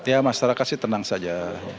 ya masyarakat sih tenang saja